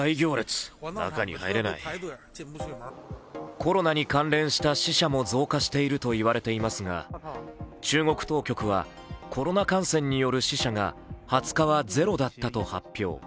コロナに関連した死者も増加しているといわれていますが中国当局はコロナ感染による死者が２０日はゼロだったと発表。